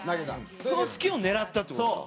その隙を狙ったって事ですか？